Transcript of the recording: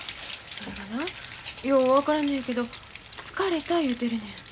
それがなよう分からんのやけど疲れた言うてるねん。